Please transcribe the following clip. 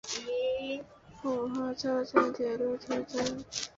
浦和车站的铁路车站。